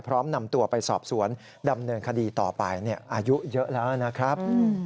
พร้อมนำตัวไปสอบสวนดำเนินคดีต่อไปอายุเยอะแล้วนะครับ